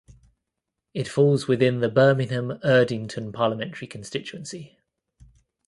It falls within the Birmingham Erdington parliamentary constituency.